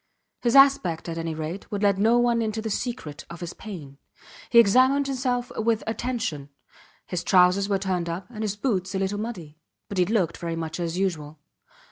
His aspect, at any rate, would let no one into the secret of his pain. He examined himself with attention. His trousers were turned up, and his boots a little muddy, but he looked very much as usual.